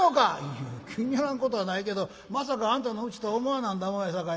「いえ気に入らんことはないけどまさかあんたのうちとは思わなんだもんやさかい」。